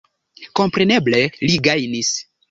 Kompreneble li gajnis.